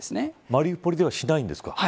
マリウポリではしないんですか。